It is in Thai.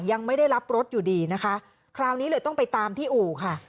ยังไม่ได้รับรถอยู่ดีนะคะคราวนี้เลยต้องไปตามที่อู่ค่ะ